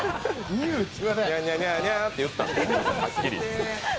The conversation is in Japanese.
ニャンニャニャーニャって言ったんで。